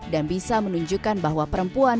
dan bisa menunjukkan bahwa perempuan